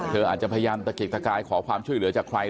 เธออาจจะพยายามตะเกียกตะกายขอความช่วยเหลือจากใคร